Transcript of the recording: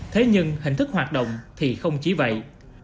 thế nhưng hình thức hoạt động thì không chỉ vậy